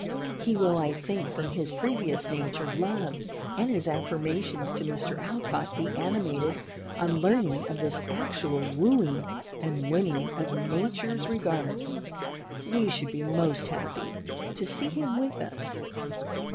He will, I think, from his previous nature love, and his affirmations to Mr. Alcott, be animated on learning of this actual wooing and winning of Nature's regards. We should be most happy to see him with us.